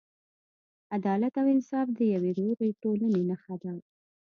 عدالت او انصاف د یوې روغې ټولنې نښه ده.